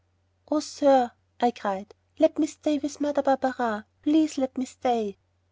"Oh, sir," I cried, "let me stay with Mother Barberin, please let me stay."